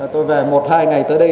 tôi về một hai ngày tới đây